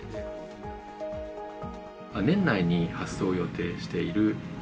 年内に発送を予定している約